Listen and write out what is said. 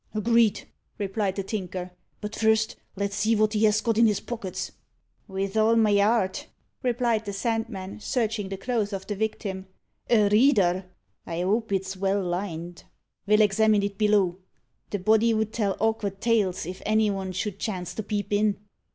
"Agreed," replied the Tinker; "but first let's see wot he has got in his pockets." "Vith all my 'art," replied the Sandman, searching the clothes of the victim. "A reader! I hope it's well lined. Ve'll examine it below. The body 'ud tell awkvard tales if any von should chance to peep in."